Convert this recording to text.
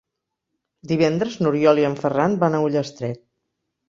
Divendres n'Oriol i en Ferran van a Ullastret.